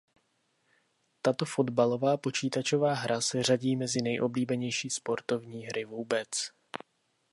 Tato fotbalová počítačová hra se řadí mezi nejoblíbenější sportovní hry vůbec.